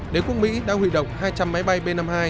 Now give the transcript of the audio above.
đế quốc mỹ đã hủy động hai trăm linh máy bay b năm mươi hai